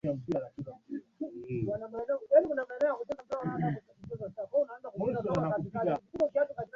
Mahari kwa kawaida ni fedha ngombe mablanketi pamoja na asali